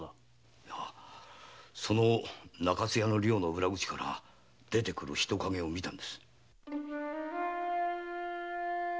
その中津屋の寮の裏口から出てくる人を見たのです。